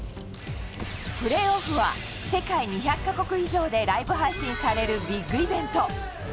プレーオフは世界２００か国以上でライブ配信されるビッグイベント。